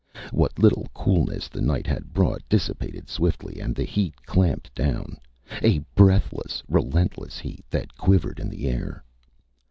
What little coolness the night had brought dissipated swiftly and the heat clamped down, a breathless, relentless heat that quivered in the air.